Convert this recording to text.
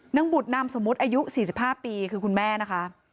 บุตรนามสมมุติอายุ๔๕ปีคือคุณแม่นะคะ